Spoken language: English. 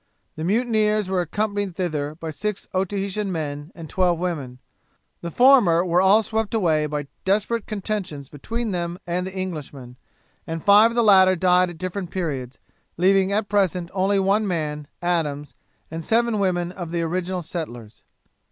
The mutineers were accompanied thither by six Otaheitan men and twelve women; the former were all swept away by desperate contentions between them and the Englishmen, and five of the latter died at different periods, leaving at present only one man (Adams) and seven women of the original settlers.